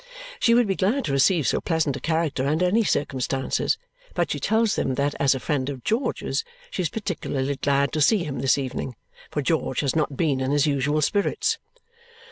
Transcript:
She would be glad to receive so pleasant a character under any circumstances, but she tells him that as a friend of George's she is particularly glad to see him this evening, for George has not been in his usual spirits.